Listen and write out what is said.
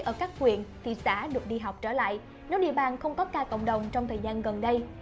ở các huyện thị xã được đi học trở lại nếu địa bàn không có ca cộng đồng trong thời gian gần đây